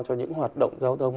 cho những hoạt động giao thông